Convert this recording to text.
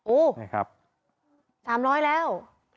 โอ้สามร้อยแล้ว